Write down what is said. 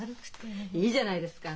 いいじゃないですか。